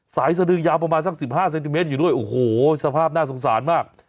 สะดึงยาวประมาณสัก๑๕เซนติเมตรอยู่ด้วยโอ้โหสภาพน่าสงสารมาก